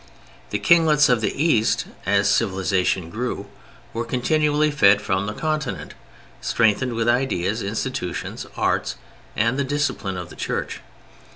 The kinglets of the East, as civilization grew, were continually fed from the Continent, strengthened with ideas, institutions, arts, and the discipline of the Church.